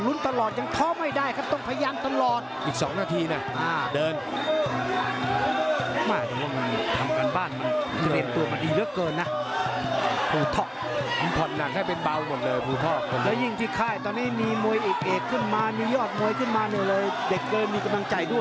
มันต้องมีอัดชีดละบ้างยอดคนชัยยังต้องลุ้นตลอดยังท้อไม่ได้ครับ